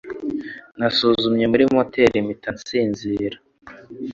Nasuzumye muri motel mpita nsinzira.